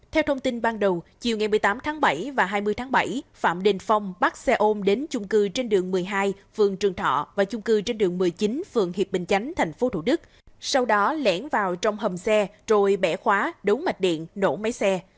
theo thông tin ban đầu chiều ngày một mươi tám tháng bảy và hai mươi tháng bảy phạm đình phong bắt xe ôm đến chung cư trên đường một mươi hai phường trường thọ và chung cư trên đường một mươi chín phường hiệp bình chánh tp thủ đức sau đó lẻn vào trong hầm xe rồi bẻ khóa đấu mạch điện nổ máy xe